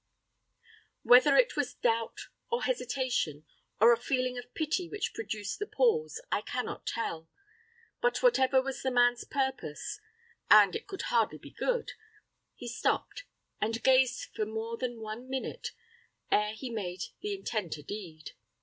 Whether it was doubt, or hesitation, or a feeling of pity which produced the pause, I can not tell; but whatever was the man's purpose and it could hardly be good he stopped, and gazed for more than one minute ere he made the intent a deed.